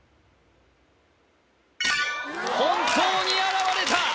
本当に現れた！